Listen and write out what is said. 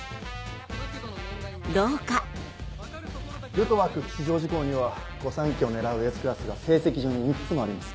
ルトワック吉祥寺校には御三家を狙うＳクラスが成績順に３つもあります。